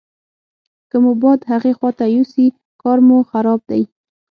که مو باد هغې خواته یوسي کار مو خراب دی.